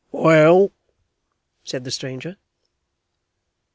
'Well?' said the stranger.